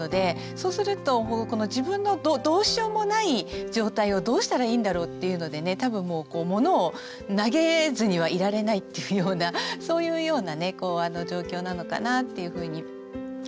そうすると自分のどうしようもない状態をどうしたらいいんだろうっていうので多分モノを投げずにはいられないというようなそういうような状況なのかなというふうに思うんですよね。